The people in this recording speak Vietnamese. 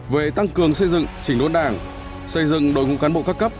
về tăng cường xây dựng chỉnh đốn đảng xây dựng đội ngũ cán bộ các cấp